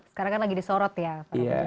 sekarang kan lagi disorot ya